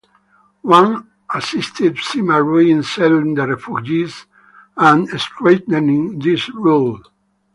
Wang assisted Sima Rui in settling the refugees and strengthening his rule.